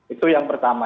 itu yang pertama